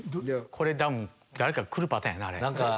これ多分誰か来るパターンやな。